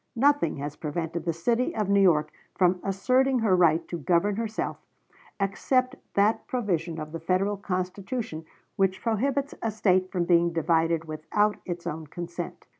Nothing has prevented the city of New York from asserting her right to govern herself, except that provision of the Federal Constitution which prohibits a State from being divided without its own consent....